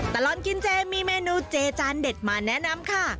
ตลอดกินเจมีเมนูเจจานเด็ดมาแนะนำค่ะ